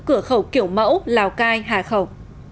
cửa khẩu kiểu mẫu lào cai hà khẩu